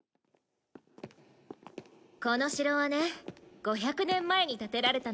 この城はね５００年前に建てられたの。